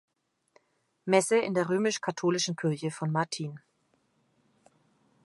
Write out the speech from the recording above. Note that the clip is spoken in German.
Messe in der römisch-katholischen Kirche von Martin.